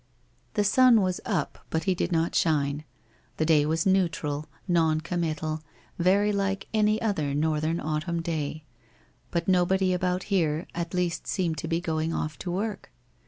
... The sun was up, but he did not shine. The day was neutral, noncommittal, very like any other northern au tumn day. But nobody about here, at least seemed to be going off to work